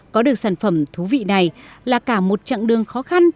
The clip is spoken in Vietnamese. có được sản phẩm thú vị này là cả một chặng đường khó khăn